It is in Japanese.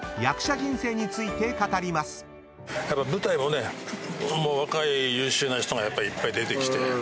舞台もね若い優秀な人がいっぱい出てきて。